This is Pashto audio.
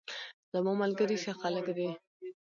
زماملګري ښه خلګ دي